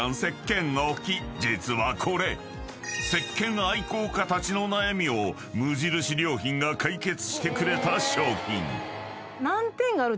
［実はこれ石けん愛好家たちの悩みを無印良品が解決してくれた商品］